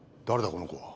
この子は。